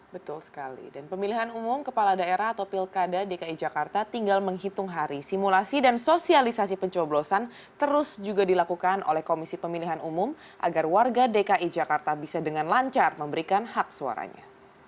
betul sekali dan pemilihan umum kepala daerah atau pilkada dki jakarta tinggal menghitung hari simulasi dan sosialisasi pencoblosan terus juga dilakukan oleh komisi pemilihan umum agar warga dki jakarta bisa dengan lancar memberikan hak suaranya